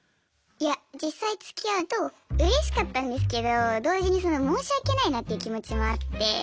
いや実際つきあうとうれしかったんですけど同時に申し訳ないなっていう気持ちもあって。